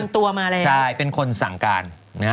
ตัวมาเลยไปเป็นคนสั่งการ